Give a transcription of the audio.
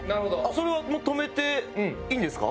それは止めていいんですか？